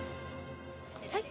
はい。